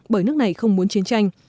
bởi nước này không muốn chiến tranh